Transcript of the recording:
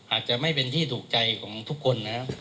อาจจะไม่เป็นที่ถูกใจของทุกคนนะครับ